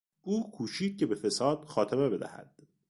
او کوشید که به فساد خاتمه بدهد.